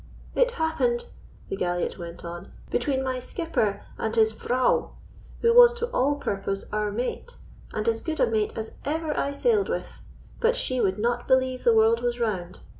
"It happened," the galliot went on, "between my skipper and his vrauw, who was to all purpose our mate, and as good a mate as ever I sailed with. But she would not believe the world was round.